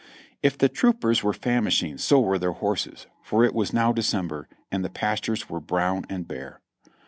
If the troopers were famishing, so were their horses, for it was now December, and the pastures were brown and bare.